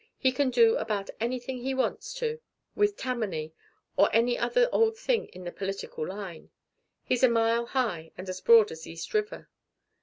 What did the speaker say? "He can do about anything he wants to with Tammany or any other old thing in the political line. He's a mile high and as broad as East River.